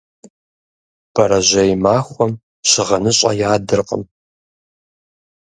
Бэрэжьей махуэм щыгъыныщӏэ ядыркъым.